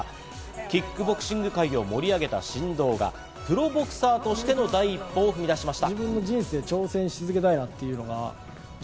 キックボクシング界を盛り上げた神童がプロボクサーとしての第一歩を踏み出しました。